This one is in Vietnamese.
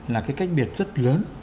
là cái cách biệt rất lớn